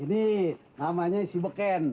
ini namanya si beken